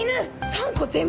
３個全部。